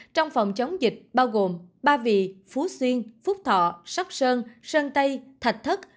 trong phòng chống dịch bao gồm ba vị phú xuyên phúc thọ sắc sơn sơn tây thạch thất